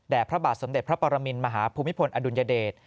และพระบาทสมเด็จพระปรมินมหาภูมิพลอดุลยเดช